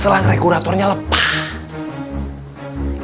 selang regulatornya lepas